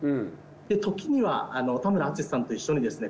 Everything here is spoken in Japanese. で時には田村淳さんと一緒にですね